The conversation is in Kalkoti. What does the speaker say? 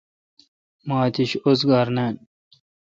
مہ اتش اوزگار نان۔